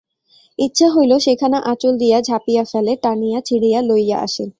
ইচ্ছা হইল, সেখানা আঁচল দিয়া ঝাঁপিয়া ফেলে, টানিয়া ছিঁড়িয়া লইয়া আসে।